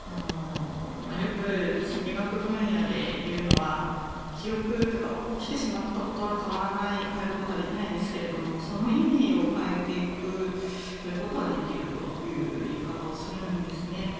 よく、心理学分野でいうのは記憶というか起きてしまったことは変わらない、変えることはできないんですがその意味を変えていくことはできるという言い方をするんですね。